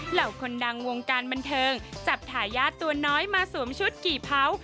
เหล่าคนดังวงการบันเทิงจับทายาทตัวน้อยมาสวมชุดกี่เผา